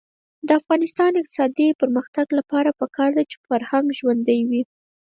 د افغانستان د اقتصادي پرمختګ لپاره پکار ده چې فرهنګ ژوندی وي.